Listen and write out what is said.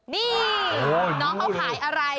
นี่น้องเขาขายอะไร